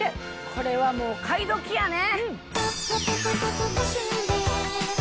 これはもう買い時やね！